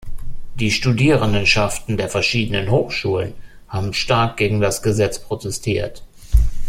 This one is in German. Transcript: Die Studierendenschaften der verschiedenen Hochschulen haben stark gegen das Gesetz protestiert.